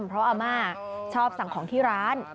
เพราะอาม่าชอบสั่งของที่ร้าน